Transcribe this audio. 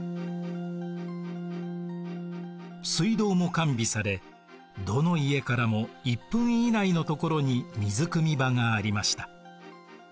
水道も完備されどの家からも１分以内のところに水くみ場がありました。